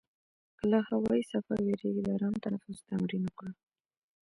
که له هوایي سفر وېرېږې، د آرام تنفس تمرین وکړه.